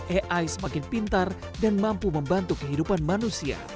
ai semakin pintar dan mampu membantu kehidupan manusia